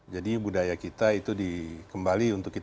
jadi budaya kita itu dikembali untuk kita